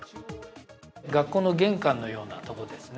学校の玄関のようなところですね。